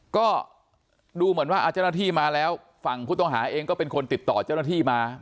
ก็ดูเหมือนว่าเจ้าหน้าที่มาแล้วฝั่งผู้ต้องหาเองก็เป็นคนติดต่อเจ้าหน้าที่มา